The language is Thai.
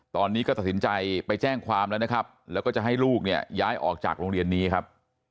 ตอนนี้ก็ตัดสินใจไปแจ้งความแล้วนะครับแล้วก็จะให้ลูกเนี่ยย้ายออกจากโรงเรียนนี้ครับ